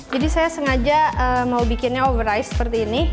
jadi saya sengaja mau bikinnya over rice seperti ini